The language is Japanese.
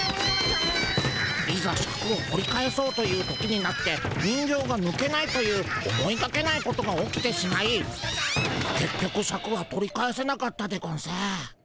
いざシャクを取り返そうという時になって人形がぬけないという思いがけないことが起きてしまいけっ局シャクは取り返せなかったでゴンス。